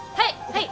はい。